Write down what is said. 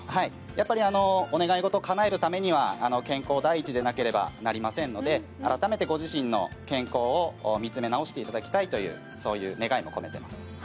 やっぱりお願い事をかなえるためには健康第一でなくてはならないので改めてご自身の健康を見つめ直していただきたいという願いも込めています。